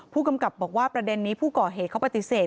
ผู้กำกับบอกว่าประเด็นนี้ผู้ก่อเหตุเขาปฏิเสธ